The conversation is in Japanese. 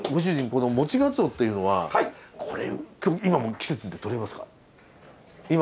このもちがつおっていうのはこれ今も季節でとれますか？